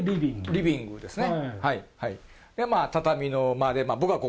リビングですね。